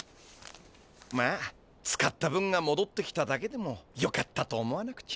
まあ使った分がもどってきただけでもよかったと思わなくちゃな。